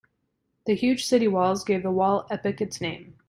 The huge city walls gave the wall epoch its name.